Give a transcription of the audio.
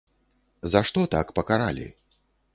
За што так пакаралі?!